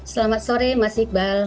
selamat sore mas iqbal